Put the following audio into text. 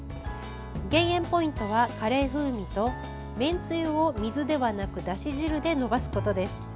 減塩ポイントはカレー風味とめんつゆを、水ではなくだし汁でのばすことです。